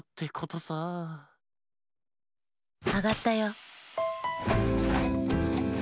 あがったよ。